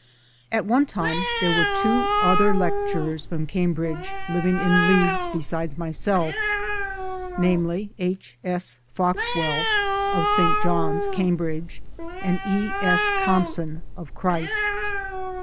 At one time there were two other lecturers from Cam bridge living in Leeds besides myself, namely H. S. Foxweli (of St. John's, Cambridge) and E. S. Thompson (of Christ's).